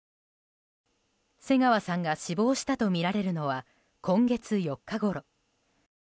瀬川さんが死亡したとみられるのは今月４日ごろ。